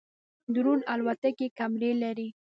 ډرون الوتکې کمرې لري